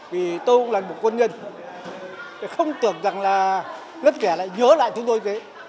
vì tôi là một quân nhân không tưởng rằng là rất kẻ lại nhớ lại chúng tôi